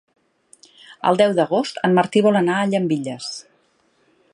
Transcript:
El deu d'agost en Martí vol anar a Llambilles.